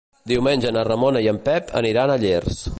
Diumenge na Ramona i en Pep aniré a Llers.